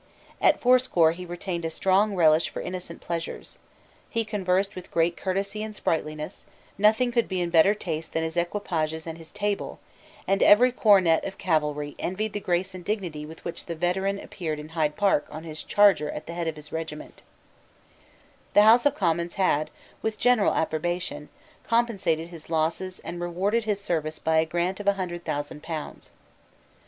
At fourscore he retained a strong relish for innocent pleasures: he conversed with great courtesy and sprightliness: nothing could be in better taste than his equipages and his table; and every cornet of cavalry envied the grace and dignity with which the veteran appeared in Hyde Park on his charger at the head of his regiment, The House of Commons had, with general approbation, compensated his losses and rewarded his services by a grant of a hundred thousand pounds.